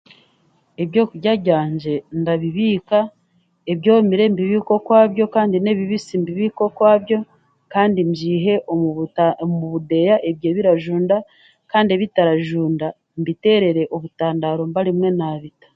Ebyokurya byange ndibibiika ebyomire mbibiike okwabyo n'ebibisi mbibiike okwabyo kandi mbiihe omu budeeya ebyomire ebyo ebirajunda kandi ebitarajunda mbiteerere obutandaaro mbe niho naabita